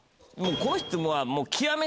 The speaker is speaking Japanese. この人はもう。